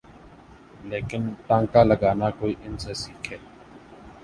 لیکن ٹانکا لگانا کوئی ان سے سیکھے۔